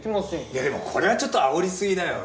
いやでもこれはちょっとあおりすぎだよ。